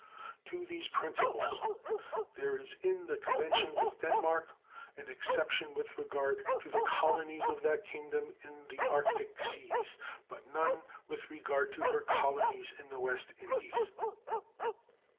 To these principles there is in the convention with Denmark an exception with regard to the colonies of that Kingdom in the arctic seas, but none with regard to her colonies in the West Indies.